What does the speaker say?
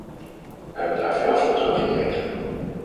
Wij hebben daar veel voor terug gekregen.